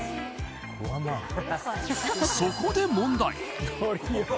そこで問題